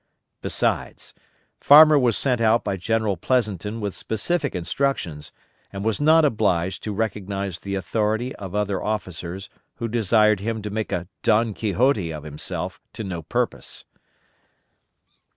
Besides, Farmer was sent out by General Pleasonton with specific instructions, and was not obliged to recognize the authority of other officers who desired him to make a Don Quixote of himself to no purpose.